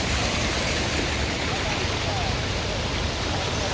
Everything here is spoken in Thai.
เมื่อเวลาอันดับสุดท้ายจะมีเวลาอันดับสุดท้ายมากกว่า